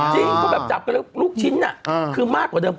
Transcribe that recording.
จริงเขาแบบจับกันแล้วลูกชิ้นคือมากกว่าเดิม